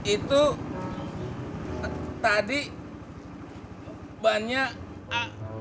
itu tadi bannya agak kempes